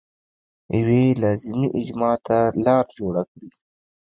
یوې لازمي اجماع ته لار جوړه کړي.